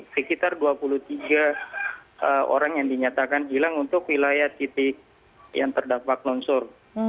sekitar dua puluh tiga orang yang dinyatakan hilang untuk wilayah titik yang terdampak longsor